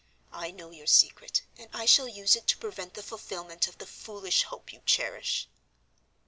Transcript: I know your secret, and I shall use it to prevent the fulfillment of the foolish hope you cherish."